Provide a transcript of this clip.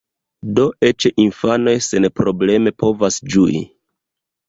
Do eĉ infanoj senprobleme povas ĝui.